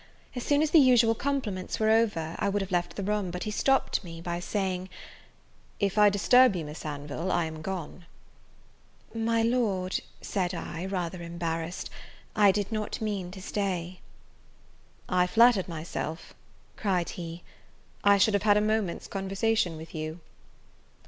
As soon as the usual compliments were over, I would have left the room, but he stopped me by saying, "If I disturb you Miss Anville, I am gone." "My Lord," said I, rather embarrassed, "I did not mean to stay." "I flattered myself," cried he, "I should have had a moment's conversation with you."